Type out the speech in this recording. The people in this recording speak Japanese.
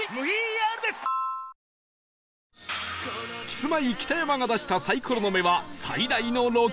キスマイ北山が出したサイコロの目は最大の「６」